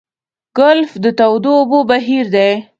ګلف د تودو اوبو بهیر دی.